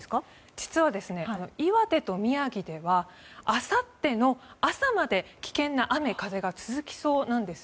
実は岩手と宮城ではあさっての朝まで危険な雨風が続きそうなんです。